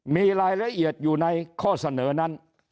มีรายละเอียดอยู่ในข้อเสนอนั้น